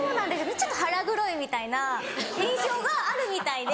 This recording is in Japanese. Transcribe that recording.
ちょっと腹黒いみたいな印象があるみたいで。